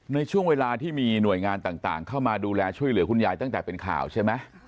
ในช่วงเวลาที่มีหน่วยงานต่างเข้ามาดูแลช่วยเหลือคุณยายตั้งแต่เป็นข่าวใช่ไหม